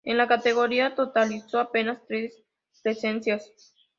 En la categoría, totalizó apenas tres presencias.